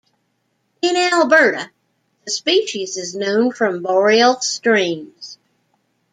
In Alberta, the species is known from boreal streams.